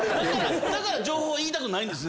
だから情報言いたくないんですね。